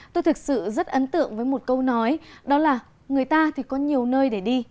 tôi thực sự rất ấn tượng với một câu nói đó là người ta thì có nhiều nơi để đi